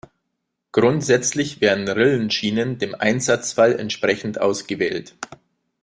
Grundsätzlich werden Rillenschienen dem Einsatzfall entsprechend ausgewählt.